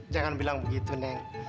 jangan bilang begitu neng